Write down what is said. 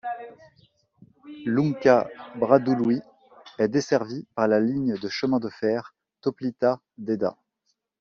Lunca Bradului est desservie par la ligne de chemin de fer Toplița-Deda.